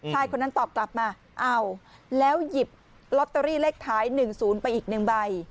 คนนั้นตอบกลับมาเอาแล้วหยิบลอตเตอรี่เลขท้าย๑๐ไปอีก๑ใบ